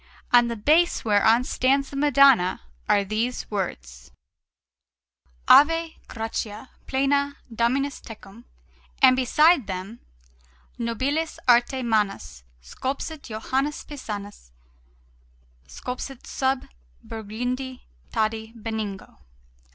On the base whereon stands the Madonna are these words: AVE GRATIA PLENA, DOMINUS TECUM; and beside them: NOBILIS ARTE MANUS SCULPSIT JOHANNES PISANUS SCULPSIT SUB BURGUNDIO TADI BENIGNO....